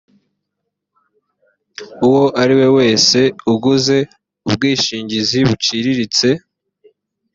uwo ari we wese uguze ubwishingizi buciriritse